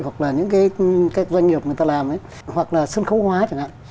hoặc là những cái doanh nghiệp người ta làm hoặc là sân khấu hóa chẳng hạn